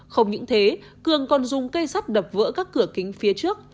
không những thế cường còn dùng cây sắt đập vỡ các cửa kính phía trước